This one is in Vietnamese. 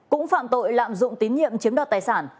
cũng phạm tội lạm dụng tín nhiệm chiếm đoạt tài sản